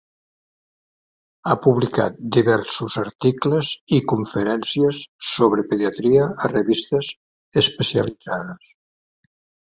Ha publicat diversos articles i conferències sobre pediatria a revistes especialitzades.